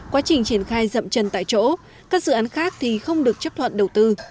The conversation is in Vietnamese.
quá trình triển khai rậm trần tại chỗ các dự án khác thì không được chấp thuận đầu tư